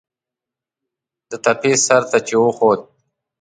د تپې سر ته چې وخوت.